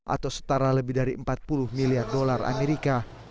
atau setara lebih dari empat puluh miliar dolar amerika